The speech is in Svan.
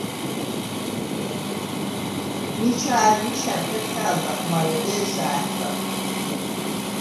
მიჩა ა̈რგლიშა̈რ ხეთხა̄̈ლდახ, მარე დე̄სა ა̈ხგვა̈ბხ.